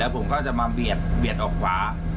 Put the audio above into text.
ผมก็จะมาเบียดเบียดออกฟ้า